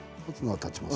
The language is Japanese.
立ちますか？